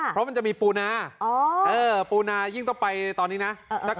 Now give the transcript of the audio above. เพราะมันจะมีปูนาปูนายิ่งต้องไปตอนนี้นะ